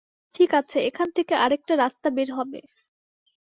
ঠিক আছে, এখান থেকে আরেকটা রাস্তা বের হবে।